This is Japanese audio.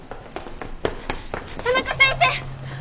田中先生！